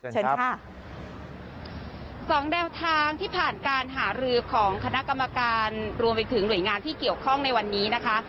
เชิญค่ะสองแนวทางที่ผ่านการหารือของคณะกรรมการรวมไปถึงหน่วยงานที่เกี่ยวข้องในวันนี้นะคะ